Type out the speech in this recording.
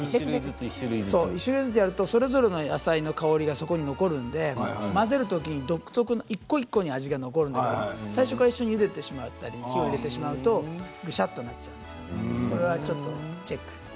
１種類ずつやるとそれぞれの野菜の香りがそこに残るので混ぜるときに独特の１個ずつの香りが残るので最初から一緒に火を入れてしまうと、ぐしゃっとなってしまうのでそこはちょっとチェック。